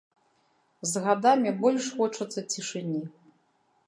З гадамі больш хочацца цішыні.